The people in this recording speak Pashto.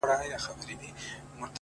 • پروت لا پر ساحل ومه توپان راسره وژړل,